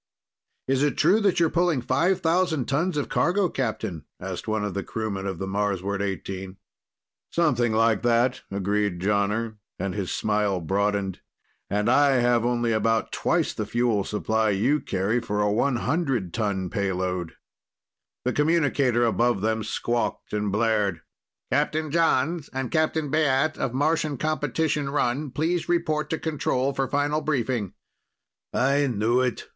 "Is it true that you're pulling five thousand tons of cargo, Captain?" asked one of the crewmen of the Marsward XVIII. "Something like that," agreed Jonner, and his smile broadened. "And I have only about twice the fuel supply you carry for a 100 ton payload." The communicator above them squawked and blared: "Captain Jons and Captain Baat of Martian competition run, please report to control for final briefing." "I knew it!"